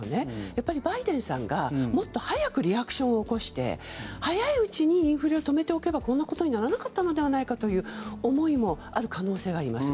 やっぱりバイデンさんがもっと早くリアクションを起こして早いうちにインフレを止めておけばこんなことにならなかったのではないかという思いもある可能性があります。